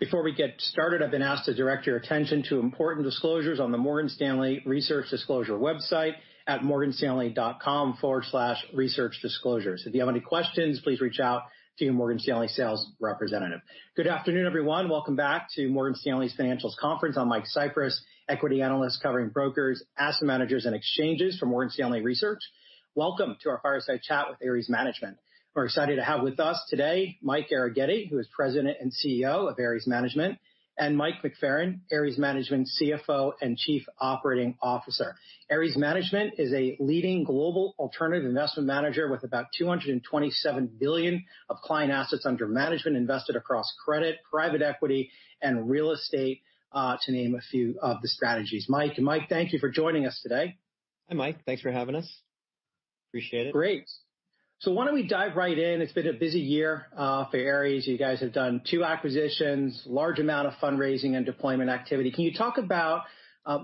Before we get started, I've been asked to direct your attention to important disclosures on the Morgan Stanley Research Disclosure website at morganstanley.com/researchdisclosures. If you have any questions, please reach out to your Morgan Stanley sales representative. Good afternoon, everyone. Welcome back to Morgan Stanley's financials conference. I'm Mike Cyprys, equity analyst covering brokers, asset managers, and exchanges for Morgan Stanley Research. Welcome to our Fireside Chat with Ares Management. We're excited to have with us today Michael Arougheti, who is President and CEO of Ares Management, and Mike McFerran, Ares Management CFO and Chief Operating Officer. Ares Management is a leading global alternative investment manager with about $227 billion of client assets under management invested across credit, private equity, and real estate, to name a few of the strategies. Mike and Mike, thank you for joining us today. Hi, Mike. Thanks for having us. Appreciate it. Great. Why don't we dive right in? It's been a busy year for Ares. You guys have done two acquisitions, large amount of fundraising and deployment activity. Can you talk about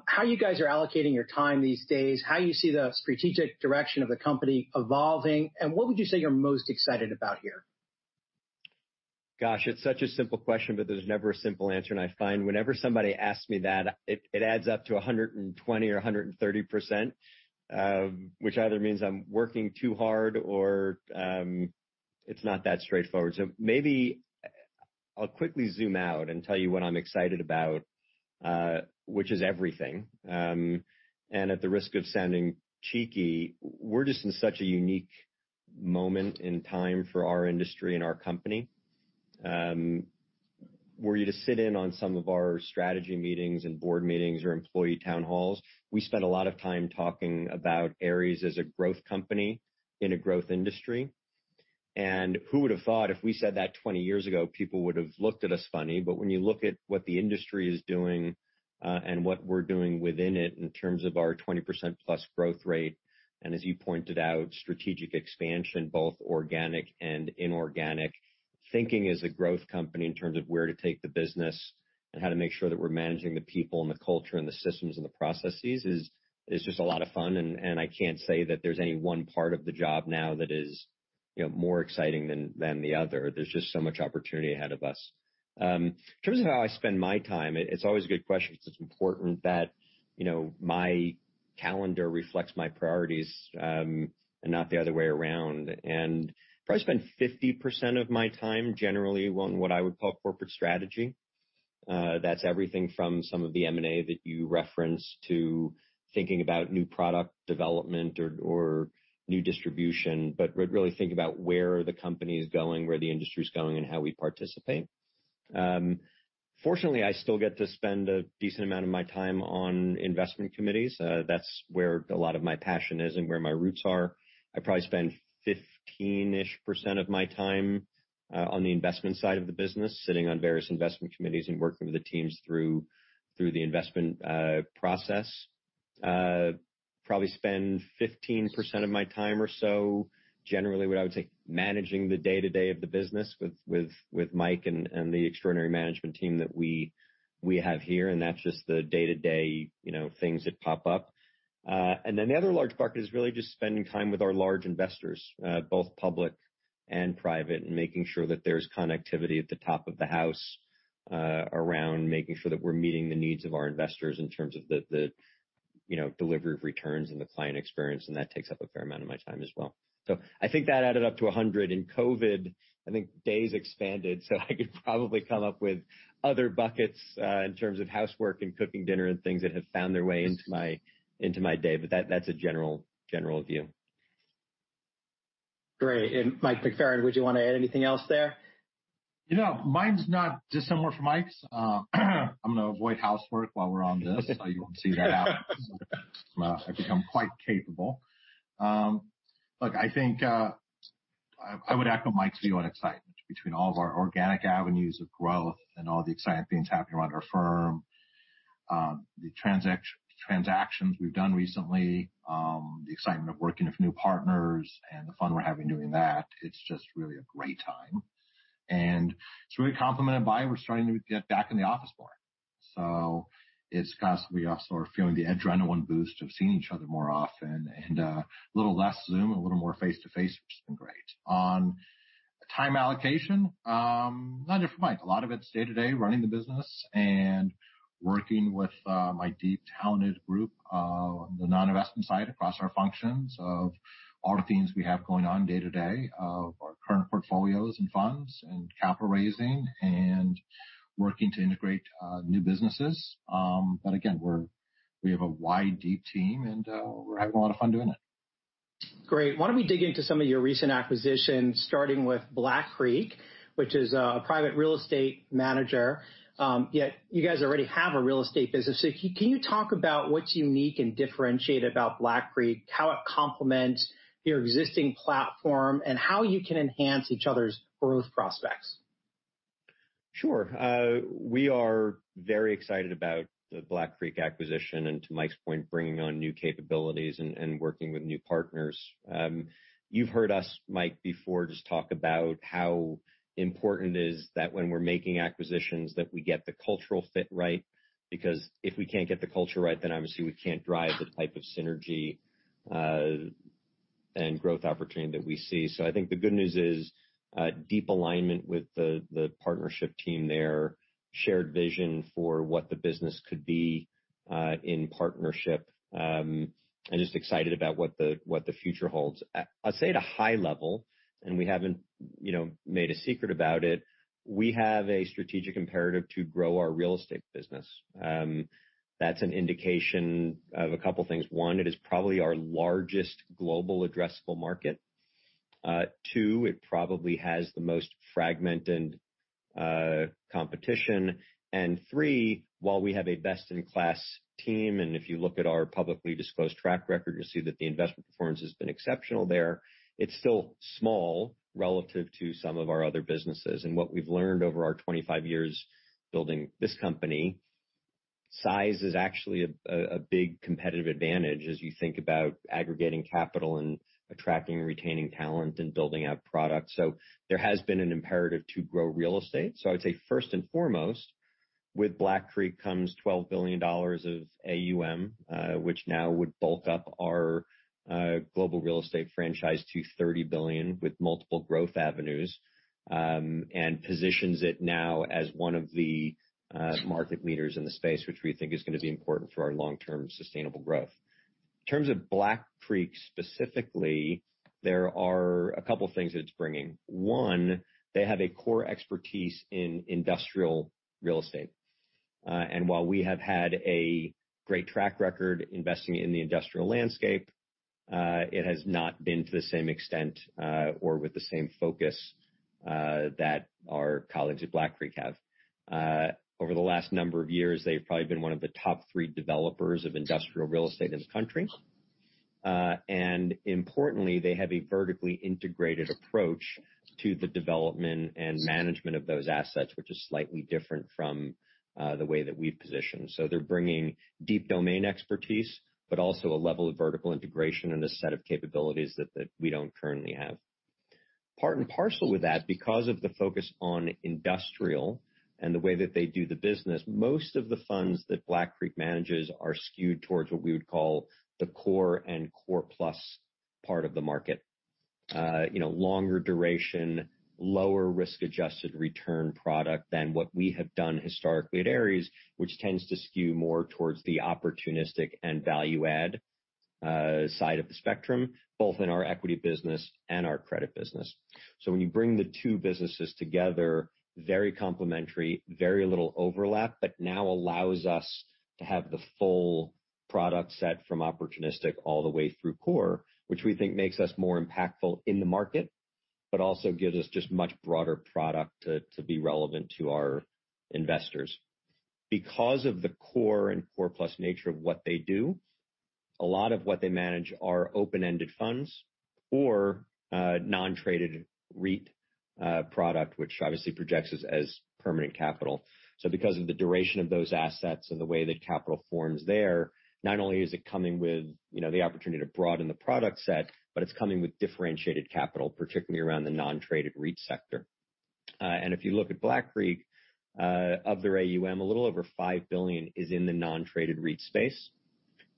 how you guys are allocating your time these days, how you see the strategic direction of the company evolving, and what would you say you're most excited about here? Gosh, it's such a simple question, but there's never a simple answer, and I find whenever somebody asks me that, it adds up to 120% or 130%, which either means I'm working too hard or it's not that straightforward. Maybe I'll quickly zoom out and tell you what I'm excited about, which is everything. At the risk of sounding cheeky, we're just in such a unique moment in time for our industry and our company. Were you to sit in on some of our strategy meetings and board meetings or employee town halls, we spend a lot of time talking about Ares as a growth company in a growth industry. Who would've thought if we said that 20 years ago, people would've looked at us funny. When you look at what the industry is doing and what we're doing within it in terms of our 20%+ growth rate, and as you pointed out, strategic expansion, both organic and inorganic, thinking as a growth company in terms of where to take the business and how to make sure that we're managing the people and the culture and the systems and the processes is just a lot of fun. I can't say that there's any one part of the job now that is more exciting than the other. There's just so much opportunity ahead of us. In terms of how I spend my time, it's always a good question because it's important that my calendar reflects my priorities, and not the other way around. Probably spend 50% of my time generally on what I would call corporate strategy. That's everything from some of the M&A that you referenced to thinking about new product development or new distribution. Really think about where the company's going, where the industry's going, and how we participate. Fortunately, I still get to spend a decent amount of my time on investment committees. That's where a lot of my passion is and where my roots are. I probably spend 15-ish% of my time on the investment side of the business, sitting on various investment committees and working with the teams through the investment process. Probably spend 15% of my time or so generally, we always say managing the day-to-day of the business with Mike and the extraordinary management team that we have here, and that's just the day-to-day things that pop up. The other large bucket is really just spending time with our large investors both public and private, and making sure that there's connectivity at the top of the house, around making sure that we're meeting the needs of our investors in terms of the delivery of returns and the client experience, and that takes up a fair amount of my time as well. I think that added up to 100. In COVID, I think days expanded, so I could probably come up with other buckets, in terms of housework and cooking dinner and things that have found their way into my day. That's a general view. Great. Mike McFerran, would you want to add anything else there? No, mine's not dissimilar from Mike's. I'm going to avoid housework while we're on this. I want you to see that. I've become quite capable. Look, I think, I would echo Mike's view on excitement between all of our organic avenues of growth and all the exciting things happening around our firm, the transactions we've done recently, the excitement of working with new partners and the fun we're having doing that. It's just really a great time. To really complement Mike, we're starting to get back in the office more. It's constantly also feeling the adrenaline boost of seeing each other more often and, a little less Zoom, a little more face-to-face, which has been great. On time allocation, not different from Mike. A lot of it's day-to-day running the business and working with my deep talented group, the non-investment side across our functions of all the things we have going on day-to-day of our current portfolios and funds and capital raising and working to integrate new businesses. Again, we have a wide, deep team and we're having a lot of fun doing it. Great. Why don't we dig into some of your recent acquisitions, starting with Black Creek, which is a private real estate manager. Yet you guys already have a real estate business. Can you talk about what's unique and differentiated about Black Creek, how it complements your existing platform, and how you can enhance each other's growth prospects? Sure. We are very excited about the Black Creek acquisition and to Mike's point, bringing on new capabilities and working with new partners. You've heard us, Mike, before just talk about how important it is that when we're making acquisitions that we get the cultural fit right because if we can't get the culture right, then obviously we can't drive the type of synergy-and-growth opportunity that we see. I think the good news is deep alignment with the partnership team there, shared vision for what the business could be in partnership, and just excited about what the future holds. I'll say at a high level, and we haven't made a secret about it, we have a strategic imperative to grow our real estate business. That's an indication of a couple things. One, it is probably our largest global addressable market. Two, it probably has the most fragmented competition, three, while we have a best-in-class team, and if you look at our publicly disclosed track record, you'll see that the investment performance has been exceptional there. It's still small relative to some of our other businesses. What we've learned over our 25 years building this company, size is actually a big competitive advantage as you think about aggregating capital and attracting and retaining talent and building out product. There has been an imperative to grow real estate. I'd say first and foremost, with Black Creek comes $12 billion of AUM which now would bulk up our global real estate franchise to $30 billion with multiple growth avenues and positions it now as one of the market leaders in the space, which we think is going to be important for our long-term sustainable growth. In terms of Black Creek specifically, there are a couple things it's bringing. One, they have a core expertise in industrial real estate. While we have had a great track record investing in the industrial landscape, it has not been to the same extent or with the same focus that our colleagues at Black Creek have. Over the last number of years, they've probably been one of the top three developers of industrial real estate in the country. Importantly, they have a vertically integrated approach to the development and management of those assets, which is slightly different from the way that we've positioned. They're bringing deep domain expertise, but also a level of vertical integration and a set of capabilities that we don't currently have. Part and parcel with that, because of the focus on industrial and the way that they do the business, most of the funds that Black Creek manages are skewed towards what we would call the core and core plus part of the market. Longer duration, lower risk-adjusted return product than what we have done historically at Ares, which tends to skew more towards the opportunistic and value add side of the spectrum, both in our equity business and our credit business. When you bring the two businesses together, very complementary, very little overlap, but now allows us to have the full product set from opportunistic all the way through core, which we think makes us more impactful in the market, but also gives us just much broader product to be relevant to our investors. Because of the core and core plus nature of what they do, a lot of what they manage are open-ended funds or non-traded REIT product, which obviously projects us as permanent capital. Because of the duration of those assets and the way that capital forms there, not only is it coming with the opportunity to broaden the product set, but it's coming with differentiated capital, particularly around the non-traded REIT sector. If you look at Black Creek, of their AUM, a little over $5 billion is in the non-traded REIT space.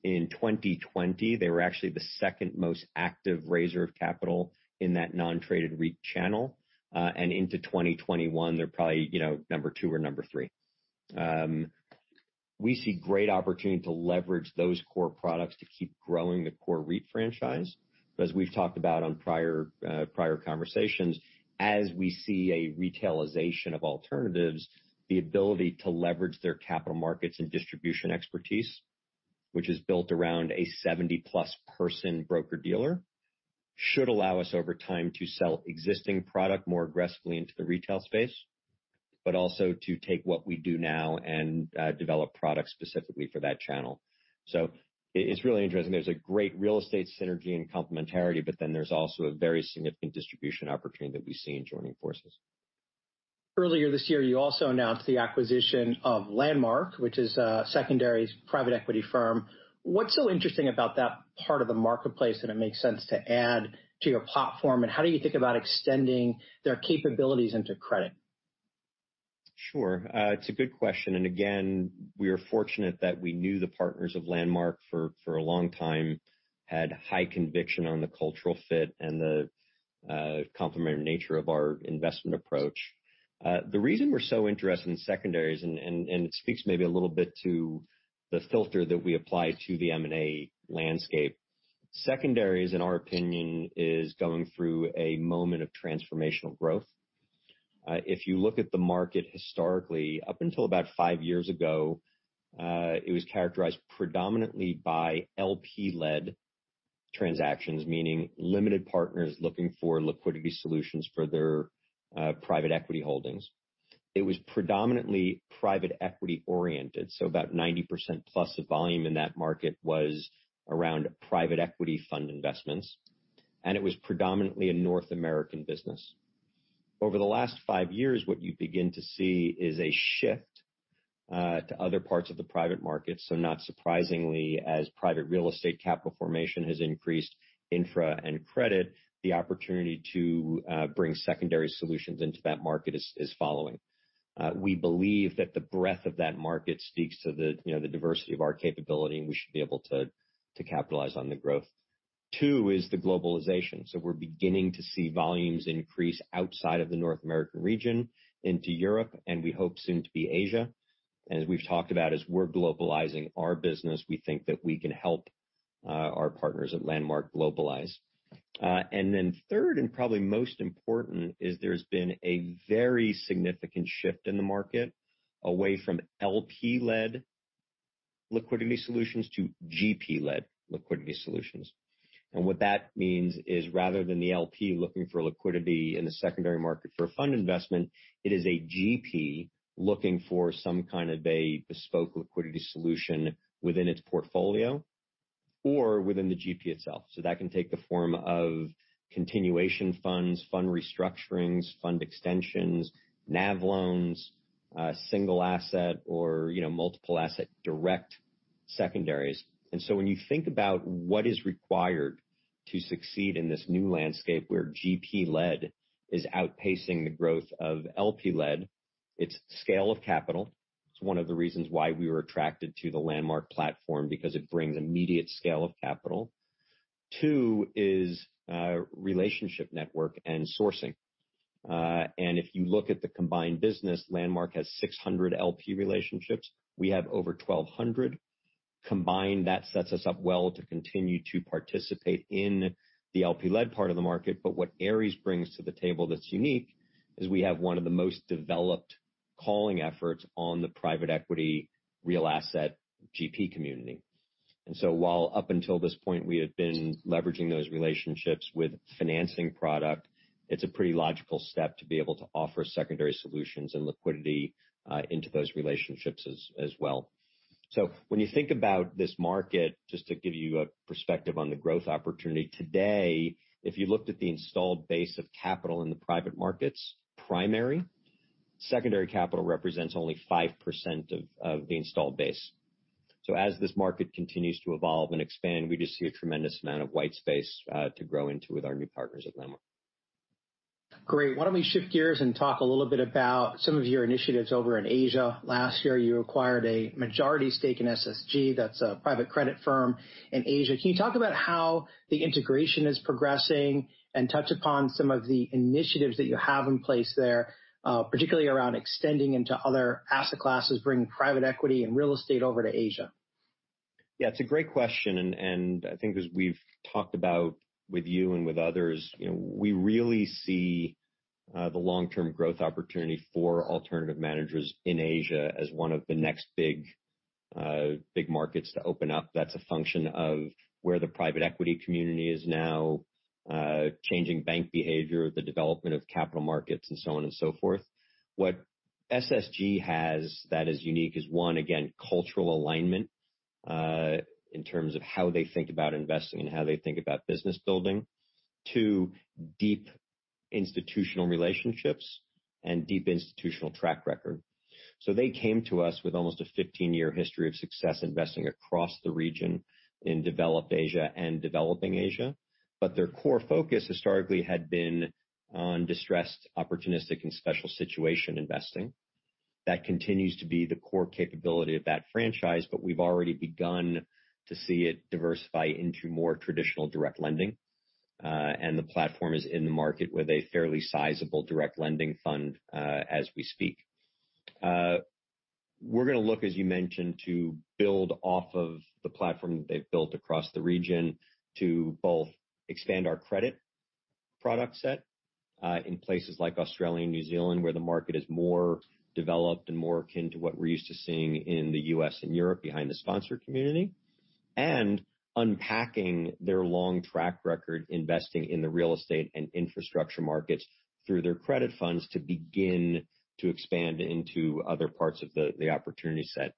In 2020, they were actually the second most active raiser of capital in that non-traded REIT channel. Into 2021, they're probably number two or number three. We see great opportunity to leverage those core products to keep growing the core REIT franchise, because we've talked about on prior conversations, as we see a retailization of alternatives, the ability to leverage their capital markets and distribution expertise, which is built around a 70-plus person broker-dealer, should allow us over time to sell existing product more aggressively into the retail space, but also to take what we do now and develop products specifically for that channel. It's really interesting. There's a great real estate synergy and complementarity, but then there's also a very significant distribution opportunity that we see in joining forces. Earlier this year, you also announced the acquisition of Landmark, which is a secondary private equity firm. What's so interesting about that part of the marketplace, and it makes sense to add to your platform, and how do you think about extending their capabilities into credit? Sure. It's a good question. Again, we are fortunate that we knew the partners of Landmark for a long time, had high conviction on the cultural fit and the complementary nature of our investment approach. The reason we're so interested in secondaries. It speaks maybe a little bit to the filter that we apply to the M&A landscape. Secondaries, in our opinion, is going through a moment of transformational growth. If you look at the market historically, up until about five years ago it was characterized predominantly by LP-led transactions, meaning limited partners looking for liquidity solutions for their private equity holdings. It was predominantly private equity oriented, so about 90% plus of volume in that market was around private equity fund investments. It was predominantly a North American business. Over the last five years, what you begin to see is a shift to other parts of the private market. Not surprisingly, as private real estate capital formation has increased infra and credit, the opportunity to bring secondary solutions into that market is following. We believe that the breadth of that market speaks to the diversity of our capability, and we should be able to capitalize on the growth. Two is the globalization. We're beginning to see volumes increase outside of the North American region into Europe, and we hope soon to be Asia. As we've talked about, as we're globalizing our business, we think that we can help our partners at Landmark globalize. Third, and probably most important, is there's been a very significant shift in the market away from LP-led liquidity solutions to GP-led liquidity solutions. What that means is rather than the LP looking for liquidity in the secondary market for a fund investment, it is a GP looking for some kind of a bespoke liquidity solution within its portfolio or within the GP itself. That can take the form of continuation funds, fund restructurings, fund extensions, NAV loans, single asset or multiple asset direct secondaries. When you think about what is required to succeed in this new landscape where GP-led is outpacing the growth of LP-led, it's scale of capital. It's one of the reasons why we were attracted to the Landmark platform, because it brings immediate scale of capital. Two is relationship network and sourcing. If you look at the combined business, Landmark has 600 LP relationships. We have over 1,200. Combined, that sets us up well to continue to participate in the LP-led part of the market. What Ares brings to the table that's unique is we have one of the most developed calling efforts on the private equity real asset GP community. While up until this point, we have been leveraging those relationships with financing product, it's a pretty logical step to be able to offer secondary solutions and liquidity into those relationships as well. When you think about this market, just to give you a perspective on the growth opportunity today, if you looked at the installed base of capital in the private markets primary, secondary capital represents only 5% of the installed base. As this market continues to evolve and expand, we just see a tremendous amount of white space to grow into with our new partners at Landmark. Great. Why don't we shift gears and talk a little bit about some of your initiatives over in Asia. Last year, you acquired a majority stake in SSG. That's a private credit firm in Asia. Can you talk about how the integration is progressing and touch upon some of the initiatives that you have in place there, particularly around extending into other asset classes, bringing private equity and real estate over to Asia? It's a great question, I think as we've talked about with you and with others, we really see the long-term growth opportunity for alternative managers in Asia as one of the next big markets to open up. That's a function of where the private equity community is now, changing bank behavior, the development of capital markets, and so on and so forth. What SSG has that is unique is, one, again, cultural alignment in terms of how they think about investing and how they think about business building, two, deep institutional relationships and deep institutional track record. They came to us with almost a 15-year history of success investing across the region in developed Asia and developing Asia. Their core focus historically had been on distressed, opportunistic, and special situation investing. That continues to be the core capability of that franchise, but we've already begun to see it diversify into more traditional direct lending, and the platform is in the market with a fairly sizable direct lending fund as we speak. We're going to look, as you mentioned, to build off of the platform that they've built across the region to both expand our credit product set in places like Australia and New Zealand, where the market is more developed and more akin to what we're used to seeing in the U.S. and Europe behind the sponsor community, and unpacking their long track record investing in the real estate and infrastructure markets through their credit funds to begin to expand into other parts of the opportunity set.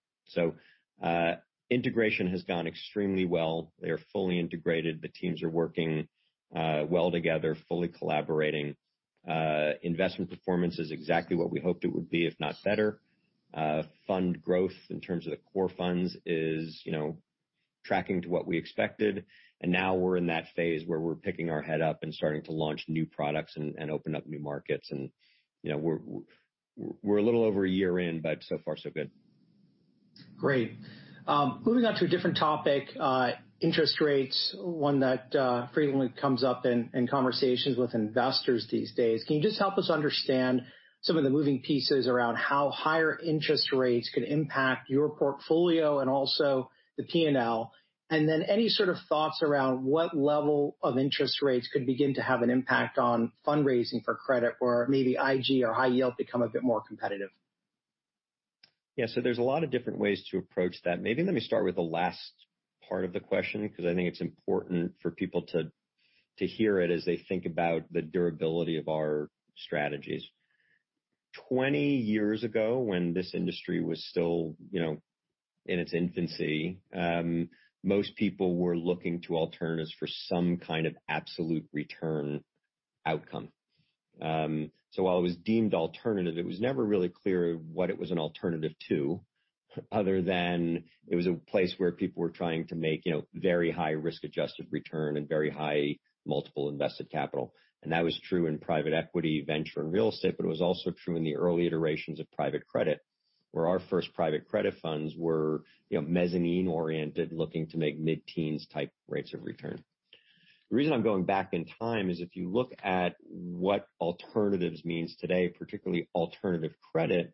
Integration has gone extremely well. They're fully integrated. The teams are working well together, fully collaborating. Investment performance is exactly what we hoped it would be, if not better. Fund growth in terms of core funds is tracking to what we expected. Now we're in that phase where we're picking our head up and starting to launch new products and open up new markets. We're a little over a year in, but so far so good. Great. Moving on to a different topic, interest rates, one that frequently comes up in conversations with investors these days. Can you just help us understand some of the moving pieces around how higher interest rates could impact your portfolio and also the P&L? Any sort of thoughts around what level of interest rates could begin to have an impact on fundraising for credit, or maybe IG or high yield become a bit more competitive? Yeah. There's a lot of different ways to approach that. Maybe let me start with the last part of the question, because I think it's important for people to hear it as they think about the durability of our strategies. 20 years ago, when this industry was still in its infancy, most people were looking to alternatives for some kind of absolute return outcome. While it was deemed alternative, it was never really clear what it was an alternative to other than it was a place where people were trying to make very high risk-adjusted return and very high multiple invested capital. That was true in private equity, venture, and real estate, but it was also true in the early iterations of private credit. Where our first private credit funds were mezzanine-oriented, looking to make mid-teens type rates of return. The reason I'm going back in time is if you look at what alternatives means today, particularly alternative credit,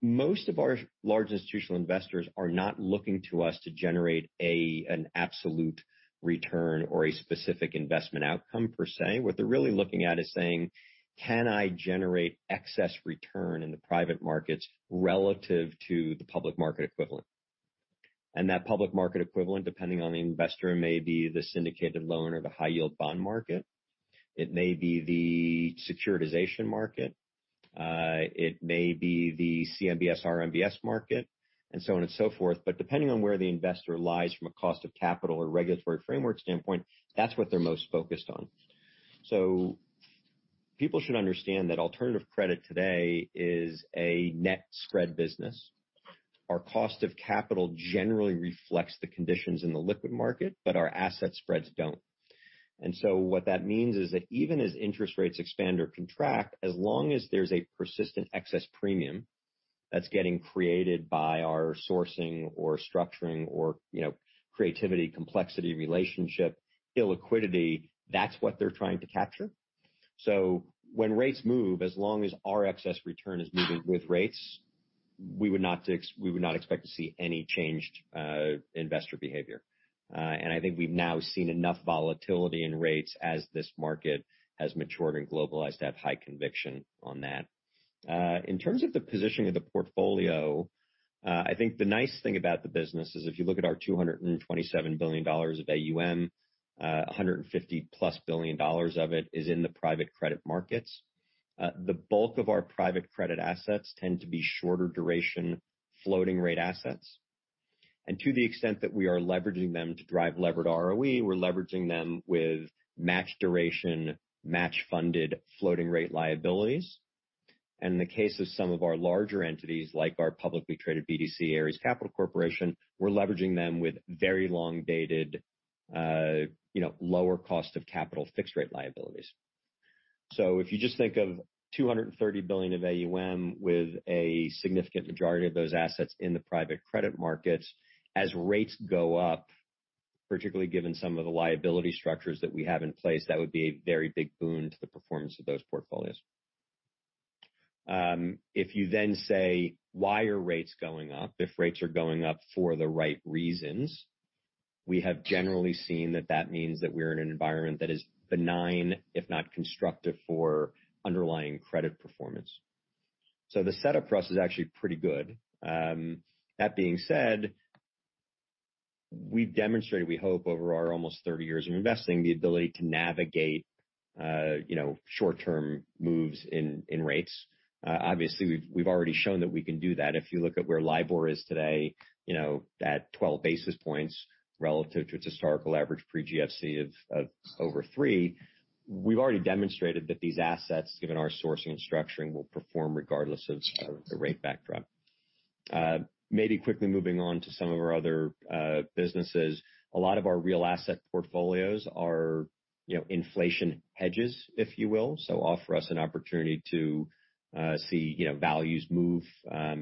most of our large institutional investors are not looking to us to generate an absolute return or a specific investment outcome per se. What they're really looking at is saying, can I generate excess return in the private markets relative to the public market equivalent? That public market equivalent, depending on the investor, may be the syndicated loan or the high-yield bond market. It may be the securitization market. It may be the CMBS, RMBS market and so on and so forth. Depending on where the investor lies from a cost of capital or regulatory framework standpoint, that's what they're most focused on. People should understand that alternative credit today is a net spread business. Our cost of capital generally reflects the conditions in the liquid market, but our asset spreads don't. What that means is that even as interest rates expand or contract, as long as there's a persistent excess premium that's getting created by our sourcing or structuring or creativity, complexity, relationship, illiquidity, that's what they're trying to capture. When rates move, as long as our excess return is moving with rates, we would not expect to see any changed investor behavior. I think we've now seen enough volatility in rates as this market has matured and globalized to have high conviction on that. In terms of the positioning of the portfolio, I think the nice thing about the business is if you look at our $227 billion of AUM, $150-plus billion of it is in the private credit markets. The bulk of our private credit assets tend to be shorter duration floating rate assets. To the extent that we are leveraging them to drive levered ROE, we're leveraging them with match duration, match-funded floating rate liabilities. In the case of some of our larger entities like our publicly traded BDC, Ares Capital Corporation, we're leveraging them with very long-dated lower cost of capital fixed rate liabilities. If you just think of $230 billion of AUM with a significant majority of those assets in the private credit markets, as rates go up, particularly given some of the liability structures that we have in place, that would be a very big boon to the performance of those portfolios. If you say, why are rates going up? If rates are going up for the right reasons, we have generally seen that that means that we're in an environment that is benign, if not constructive for underlying credit performance. The setup for us is actually pretty good. That being said, we've demonstrated, we hope, over our almost 30 years of investing, the ability to navigate short-term moves in rates. Obviously, we've already shown that we can do that. If you look at where LIBOR is today at 12 basis points relative to its historical average pre-GFC of over three, we've already demonstrated that these assets, given our sourcing and structuring, will perform regardless of the rate backdrop. Maybe quickly moving on to some of our other businesses. A lot of our real asset portfolios are inflation hedges, if you will, offer us an opportunity to see values move as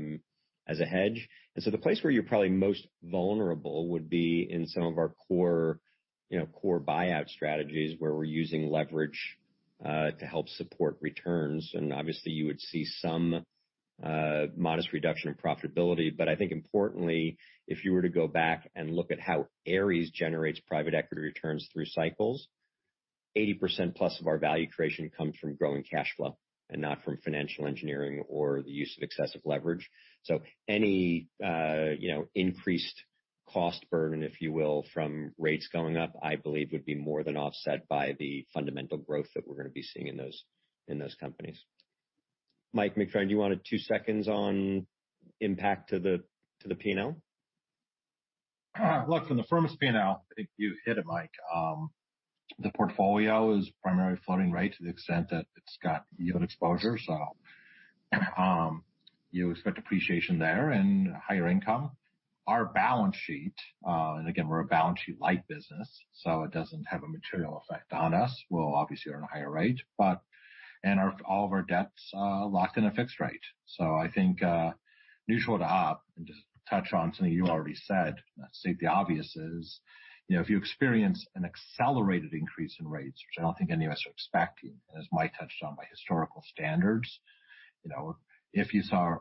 a hedge. The place where you're probably most vulnerable would be in some of our core buyout strategies where we're using leverage to help support returns. Obviously you would see some modest reduction in profitability. I think importantly, if you were to go back and look at how Ares generates private equity returns through cycles, 80%-plus of our value creation comes from growing cash flow and not from financial engineering or the use of excessive leverage. Any increased cost burden, if you will, from rates going up, I believe would be more than offset by the fundamental growth that we're going to be seeing in those companies. Mike McFerran, you wanted two seconds on impact to the P&L? Look, from the firm's P&L, I think you hit it, Mike. The portfolio is primarily floating rate to the extent that it's got yield exposure. You expect appreciation there and higher income. Our balance sheet, and again, we're a balance sheet light business, so it doesn't have a material effect on us. We're obviously on a higher rate, and all of our debt's locked in a fixed rate. I think initially to hop and just touch on something you already said, state the obvious is, if you experience an accelerated increase in rates, which I don't think any of us are expecting, as Mike touched on by historical standards. If you saw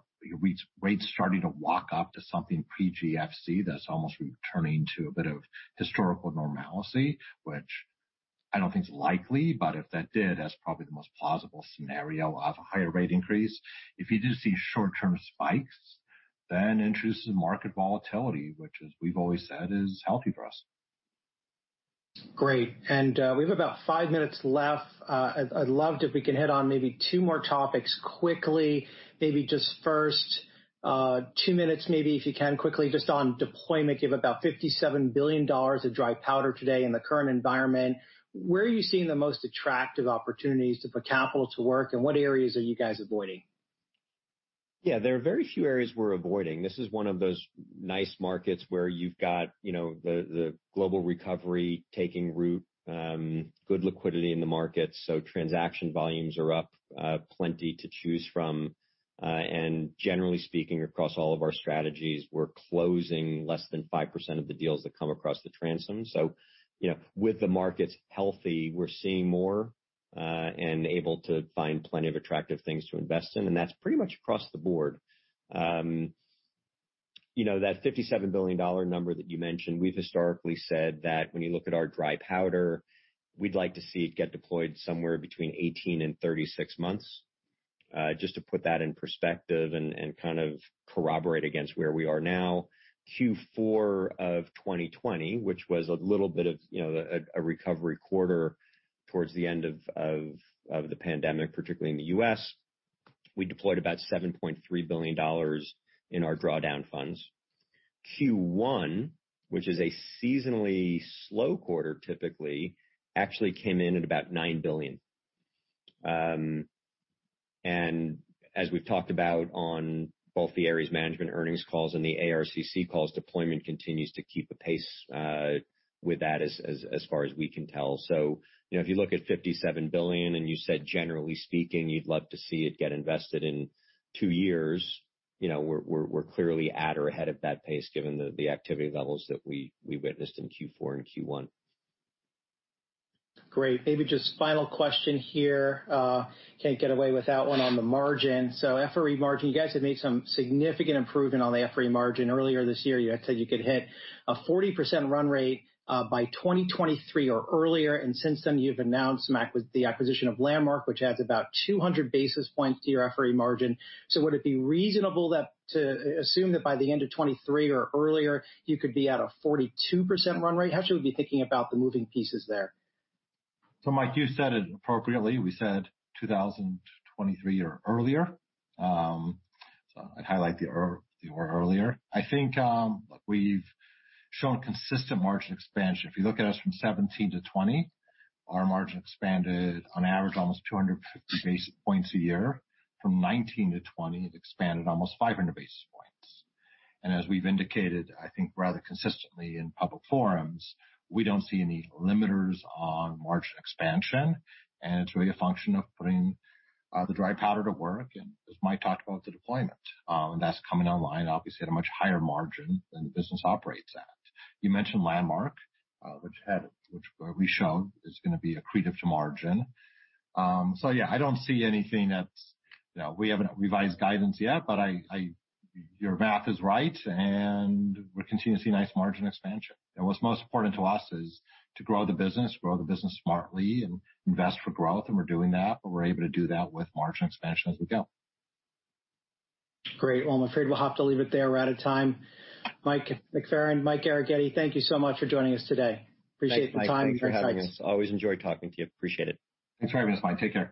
rates starting to walk up to something pre-GFC, that's almost returning to a bit of historical normalcy, which I don't think is likely, but if it did, that's probably the most plausible scenario of a higher rate increase. If you did see short-term spikes, then interest in market volatility, which as we've always said, is healthy for us. Great. We have about five minutes left. I'd love it if we could hit on maybe two more topics quickly. Maybe just first two minutes, maybe if you can quickly just on deployment, you have about $57 billion of dry powder today in the current environment. Where are you seeing the most attractive opportunities to put capital to work, and what areas are you guys avoiding? Yeah, there are very few areas we're avoiding. This is one of those nice markets where you've got the global recovery taking root, good liquidity in the market, so transaction volumes are up plenty to choose from. Generally speaking, across all of our strategies, we're closing less than 5% of the deals that come across the transom. So, with the markets healthy, we're seeing more, and able to find plenty of attractive things to invest in, and that's pretty much across the board. That $57 billion number that you mentioned, we've historically said that when you look at our dry powder, we'd like to see it get deployed somewhere between 18 and 36 months. Just to put that in perspective and kind of corroborate against where we are now, Q4 of 2020, which was a little bit of a recovery quarter towards the end of the pandemic, particularly in the U.S., we deployed about $7.3 billion in our drawdown funds. Q1, which is a seasonally slow quarter typically, actually came in at about $9 billion. As we've talked about on both the Ares Management earnings calls and the ARCC calls, deployment continues to keep apace with that as far as we can tell. If you look at $57 billion, and you said, generally speaking, you'd love to see it get invested in two years, we're clearly at or ahead of that pace given the activity levels that we witnessed in Q4 and Q1. Great. Maybe just final question here. Can't get away without one on the margin. FRE margin, you guys have made some significant improvement on the FRE margin. Earlier this year, you said you could hit a 40% run rate by 2023 or earlier, and since then you've announced the acquisition of Landmark, which adds about 200 basis points to your FE margin. Would it be reasonable to assume that by the end of 2023 or earlier, you could be at a 42% run rate? How should we be thinking about the moving pieces there? Mike, you said it appropriately. We said 2023 or earlier. I'd highlight the word earlier. I think we've shown consistent margin expansion. If you look at us from 2017 to 2020, our margin expanded on average almost 250 basis points a year. From 2019 to 2020, it expanded almost 500 basis points. As we've indicated, I think rather consistently in public forums, we don't see any limiters on margin expansion, and it's really a function of putting the dry powder to work and as Mike talked about, the deployment that's coming online, obviously at a much higher margin than the business operates at. You mentioned Landmark, which we've shown is going to be accretive to margin. Yeah, I don't see anything. We haven't revised guidance yet, but your math is right, and we continue to see nice margin expansion. What's most important to us is to grow the business, grow the business smartly, and invest for growth, and we're doing that, and we're able to do that with margin expansion as we go. Great. Well, I'm afraid we'll have to leave it there. We're out of time. Mike McFerran, Michael Arougheti, thank you so much for joining us today. Appreciate your time and your insights. Thanks, Mike. Always enjoy talking to you. Appreciate it. Okay, Mike. Take care.